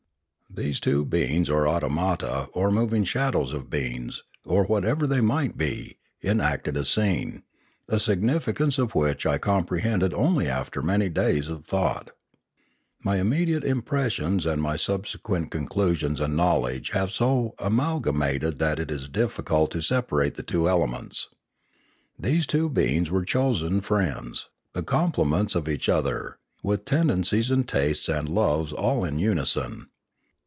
These two beings or automata or moving shadows of beings, or whatever they might be, enacted a scene, the signifi cance of which I comprehended only after many days' thought. My immediate impressions and my subse quent conclusions and knowledge have so amalgamated that it is difficult to separate the two elements. These two beings were chosen friends, the complements of each other, with tendencies and tastes and loves all in unison.